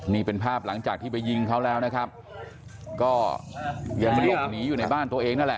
นี่เป็นภาพหลังจากที่ไปยิงเขาแล้วนะครับก็ยังหลบหนีอยู่ในบ้านตัวเองนั่นแหละ